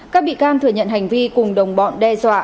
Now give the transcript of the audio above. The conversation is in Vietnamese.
các bị can thừa nhận hành vi cùng đồng bọn đe dọa